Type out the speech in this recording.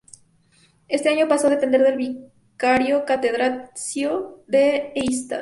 Ese año pasó a depender del vicario catedralicio de Eichstätt.